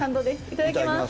いただきます！